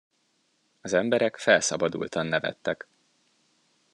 Az emberek felszabadultan nevettek.